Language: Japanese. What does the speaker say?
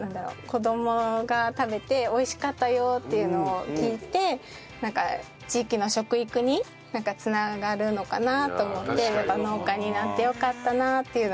子どもが食べて美味しかったよって言うのを聞いて地域の食育に繋がるのかなと思って農家になってよかったなっていうのは。